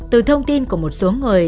từ thông tin của một số người